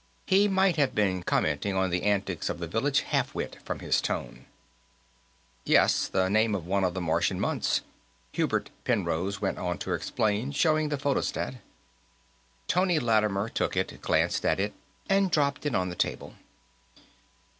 He might have been commenting on the antics of the village half wit, from his tone. "Yes; the name of one of the Martian months." Hubert Penrose went on to explain, showing the photostat. Tony Lattimer took it, glanced at it, and dropped it on the table.